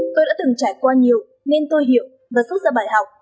tôi đã từng trải qua nhiều nên tôi hiểu và rút ra bài học